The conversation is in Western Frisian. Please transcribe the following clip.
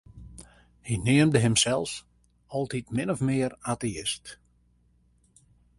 Hy neamde himsels altyd min of mear ateïst.